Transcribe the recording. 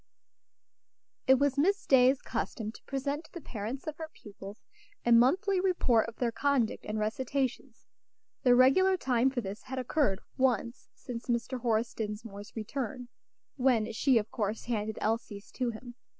It was Miss Day's custom to present to the parents of her pupils a monthly report of their conduct and recitations. The regular time for this had occurred once since Mr. Horace Dinsmore's return, when she, of course, handed Elsie's to him.